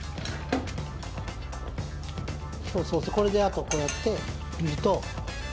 そうそうそうこれであとこうやってみると。